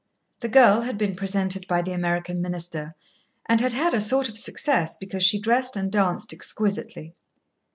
The girl had been presented by the American minister, and had had a sort of success because she dressed and danced exquisitely.